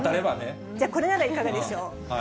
じゃあこれならいかがでしょう。